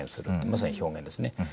まさに表現ですね。